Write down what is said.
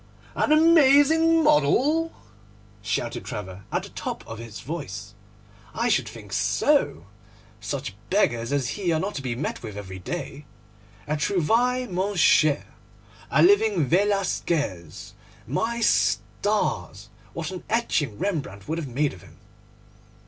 'An amazing model?' shouted Trevor at the top of his voice; 'I should think so! Such beggars as he are not to be met with every day. A trouvaille, mon cher; a living Velasquez! My stars! what an etching Rembrandt would have made of him!